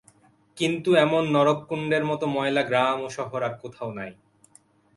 কিন্তু এমন নরককুণ্ডের মত ময়লা গ্রাম ও শহর আর কোথাও নাই।